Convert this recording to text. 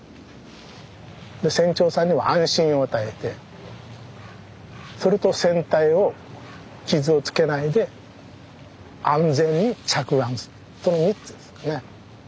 船長さんには安心を与えてそれと船体を傷をつけないで安全に着岸するその３つですかね。